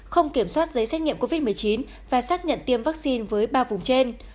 không kiểm soát giấy xét nghiệm covid một mươi chín và xác nhận tiêm vaccine với ba vùng trên